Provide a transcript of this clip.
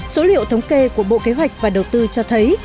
số liệu thống kê của bộ kế hoạch và đầu tư cho thấy